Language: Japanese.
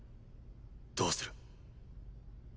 どうする？